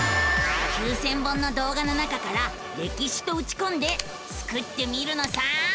９，０００本の動画の中から「歴史」とうちこんでスクってみるのさ！